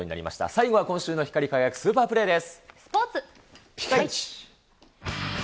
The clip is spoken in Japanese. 最後は今週の光り輝くスーパープスポーツ。